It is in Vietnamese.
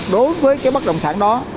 đối với cái bất đồng sản đó